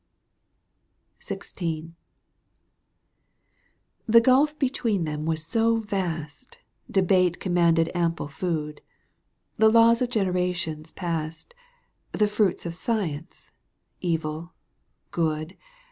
/ XVI. • The gulf between them was so vast, ^ Debate commanded ample food — The laws of generations past, The fruits of science, evil, good.